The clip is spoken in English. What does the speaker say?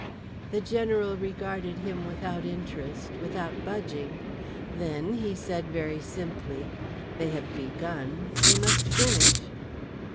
The general regarded him without interest, without budging; then, he said, very simply: "They have begun, they must finish."